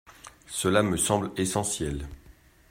Cela me semble essentiel.